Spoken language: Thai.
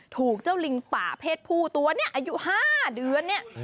ถูกเจ้าลิงป่าเพศผู้ตัวนี้อายุ๕เดือนเนี่ย